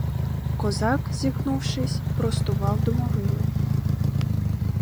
Козак, зігнувшись, простував до могили.